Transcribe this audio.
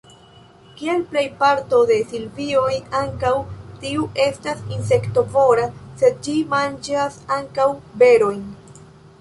Kiel plej parto de silvioj, ankaŭ tiu estas insektovora, sed ĝi manĝas ankaŭ berojn.